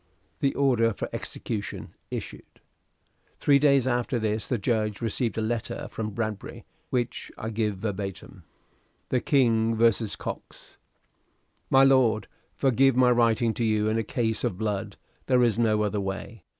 The order for execution issued. Three days after this the judge received a letter from Bradbury, which I give verbatim. THE KING vs. COX "My Lord, Forgive my writing to you in a case of blood. There is no other way.